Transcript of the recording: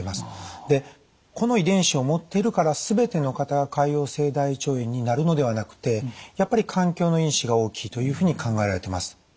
でこの遺伝子を持っているから全ての方が潰瘍性大腸炎になるのではなくてやっぱり環境の因子が大きいというふうに考えられています。